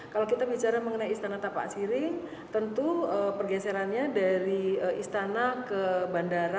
kalau kita bicara mengenai istana tapak siri tentu pergeserannya dari istana ke bandara